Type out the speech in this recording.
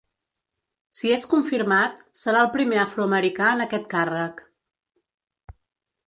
Si és confirmat, serà el primer afroamericà en aquest càrrec.